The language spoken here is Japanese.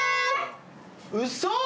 うそ！